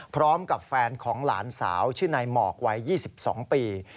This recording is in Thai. พร้อมกับแฟนของหลานสาวชื่อนายหมอกวัย๒๒ปี